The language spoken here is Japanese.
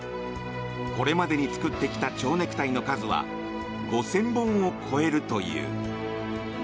これまでに作ってきた蝶ネクタイの数は５０００本を超えるという。